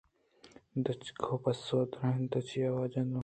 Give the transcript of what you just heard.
دجُک ّءَ پسّہ گردینت چیا واجہ روباہ